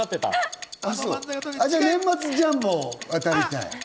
年末ジャンボ当たりたい。